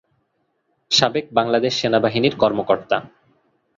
সাবেক বাংলাদেশ সেনাবাহিনীর কর্মকর্তা।